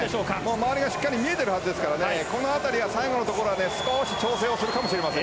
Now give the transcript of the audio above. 周りが見えているはずですからこの辺り、最後のところは少し調整するかもしれません。